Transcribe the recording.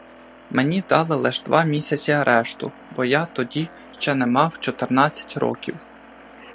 Мені дали лиш два місяці арешту, бо я тоді ще не мав чотирнадцять років.